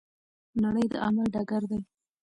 نړۍ د عمل ډګر دی.